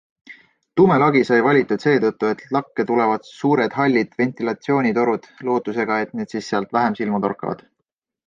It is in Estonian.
Tume lagi sai valitud seetõttu, et lakke tulevad suured hallid ventilatsioonitorud - lootusega, et need siis sealt vähem silma torkavad.